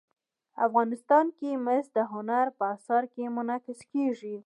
افغانستان کې مس د هنر په اثار کې منعکس کېږي.